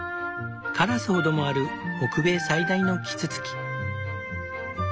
カラスほどもある北米最大のキツツキ。